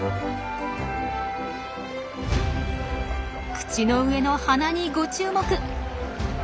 口の上の鼻にご注目。